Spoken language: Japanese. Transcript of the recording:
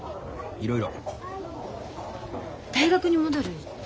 いろいろ。